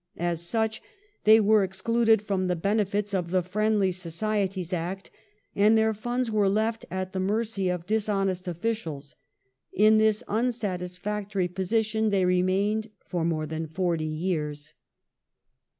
As such they were excluded from the benefits of the Friendly Societies Act, and their funds were left at the mercy of dishonest officials. In this unsatisfactory posi • tion they remained for more than forty years.